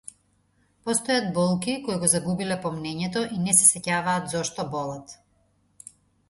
Постојат болки кои го загубиле помнењето и не се сеќаваат зошто болат.